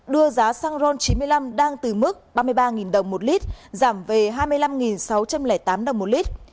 đưa giá xăng ron chín mươi năm đang từ mức ba mươi ba đồng một lít giảm về hai mươi năm sáu trăm linh tám đồng một lít